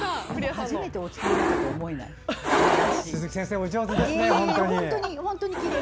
初めてお作りになったとは思えない。